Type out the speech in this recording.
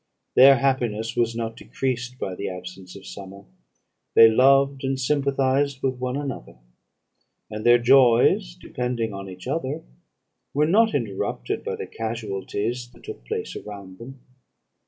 Their happiness was not decreased by the absence of summer. They loved, and sympathised with one another; and their joys, depending on each other, were not interrupted by the casualties that took place around them.